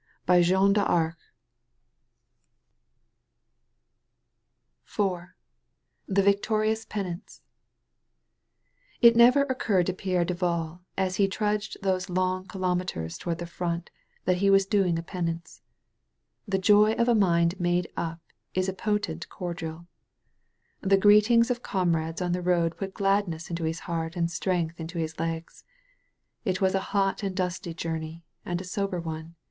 "By Jeanne d*Arc!" 131 THE VALLEY OP VISION IV THE VICTOBIOUB PENANCE It never occurred to Pierre Duval, as he trudged those long kilometres toward the front, that he was dung a penance. The joy of a mind made up is a potent cordial. The greetings of comrades on the road put glad ness into his heart and strength into his legs. It was a hot and dusty journey, and a sober one.